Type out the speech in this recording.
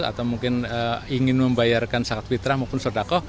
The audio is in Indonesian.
atau mungkin ingin membayarkan zakat fitrah maupun sodakoh